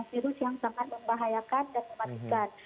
virus yang sangat membahayakan dan mematikan